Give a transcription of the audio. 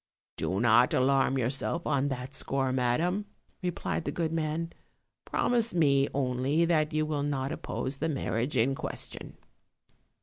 "Do not alarm yourself on that score, madam," replied the good man; "promise me only that you will not oppose the marriage in question."